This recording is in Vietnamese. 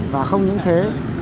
và không những thế